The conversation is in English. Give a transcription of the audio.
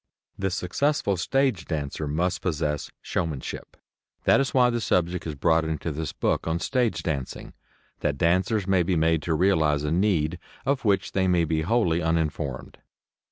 The successful stage dancer must possess showmanship. That is why the subject is brought into this book on stage dancing that dancers may be made to realize a need of which they may be wholly uninformed.